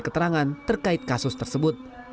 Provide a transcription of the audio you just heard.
keterangan terkait kasus tersebut